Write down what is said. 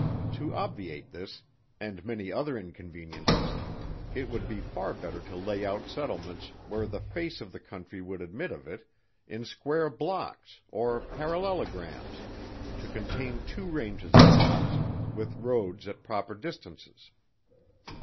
To obviate this, and many other inconveniences, it would be far better to lay out settlements, where the face of the country would admit of it, in square blocks, or parallelograms; to contain two ranges of lots, with roads at proper distances.